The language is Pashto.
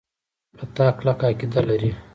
په تا کلکه عقیده لري.